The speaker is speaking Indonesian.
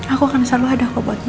aku akan selalu ada aku buat mama